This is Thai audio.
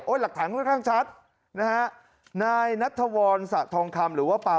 หลักฐานค่อนข้างชัดนะฮะนายนัทธวรสะทองคำหรือว่าปลา